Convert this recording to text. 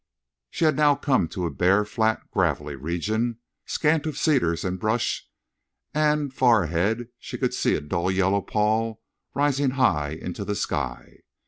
She had now come to a bare, flat, gravelly region, scant of cedars and brush, and far ahead she could see a dull yellow pall rising high into the sky.